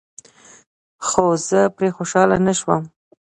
خو زه پرې خوشحاله نشوم.